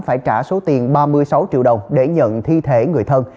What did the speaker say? phải trả số tiền ba mươi sáu triệu đồng để nhận thi thể người thân